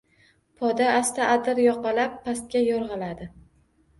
Poda asta adir yoqalab pastga yo‘rg‘aladi.